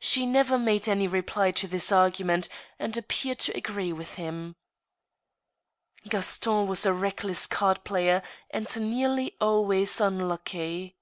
She never made any reply to this argument, and appeared to agrree with him. Gaston was a reckless card player, and nearly always unlucky.